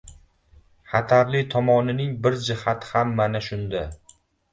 Xatarli tomonining bir jihati ham mana shunda.